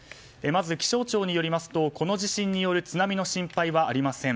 まず気象庁によりますとこの地震による津波の心配はありません。